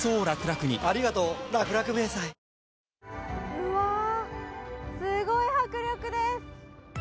うわ、すごい迫力です。